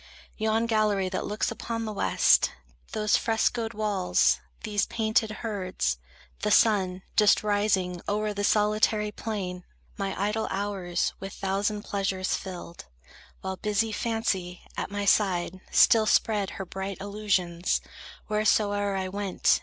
Yon gallery that looks upon the west; Those frescoed walls, these painted herds, the sun Just rising o'er the solitary plain, My idle hours with thousand pleasures filled, While busy Fancy, at my side, still spread Her bright illusions, wheresoe'er I went.